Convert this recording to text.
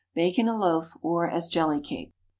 Bake in a loaf, or as jelly cake.